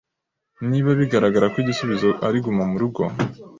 niba bigaragara ko igisubizo ari Guma mu rugo